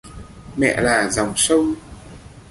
Mẹ là dòng sông